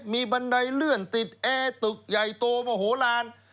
มีบันไดเลื่อนติดแอร์ตึกใหญ่โตมโหลาน